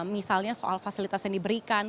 misalnya soal fasilitas yang diberikan